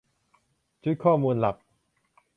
ชุดข้อมูลหลัก